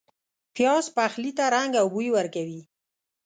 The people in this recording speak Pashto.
پیاز پخلي ته رنګ او بوی ورکوي